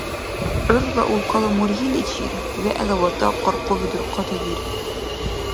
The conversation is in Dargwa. УрхӀла улкала мургьиличир, вегӀла ВатӀа къаркъуби дурхъати дирар.